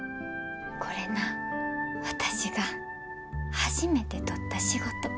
これな私が初めて取った仕事。